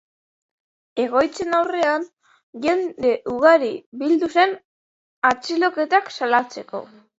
Egoitzen aurrean, jende ugari bildu zen, atxiloketak salatzeko.